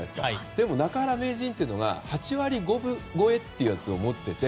でも、中原名人という人は８割５分超えっていうのを持っていて。